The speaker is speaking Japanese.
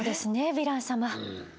ヴィラン様。